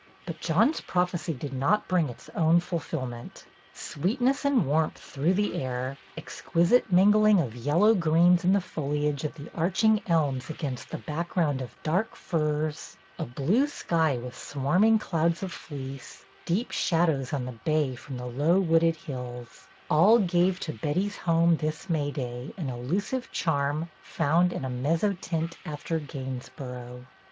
But John's prophecy did not bring its own fulfilment. Sweetness and warmth through the air, exquisite mingling of yellow greens in the foli age of the arching elms against the back ground of dark firs, a blue sky with swarming clouds of fleece, deep shadows on the bay from the low wooded hills,— all gave to Betty's home this May day an elusive charm found in a mezzotint after Gainsborough.